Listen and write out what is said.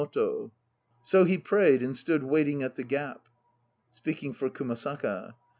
So he prayed, and stood waiting at the (Speaking for KUMASAKA.)